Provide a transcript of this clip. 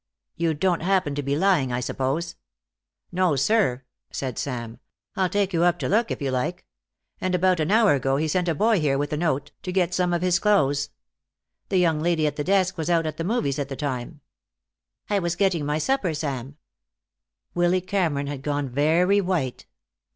"You don't happen to be lying, I suppose?" "No, sir!" said Sam. "I'll take you up to look, if you like. And about an hour ago he sent a boy here with a note, to get some of his clothes. The young lady at the desk was out at the movies at the time." "I was getting my supper, Sam." Willy Cameron had gone very white.